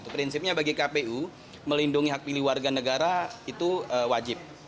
prinsipnya bagi kpu melindungi hak pilih warga negara itu wajib